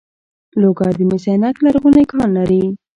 لوګر د مس عینک لرغونی کان لري